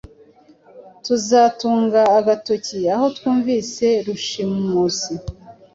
Tuzatunga agatoki aho twumvise Rushimusi.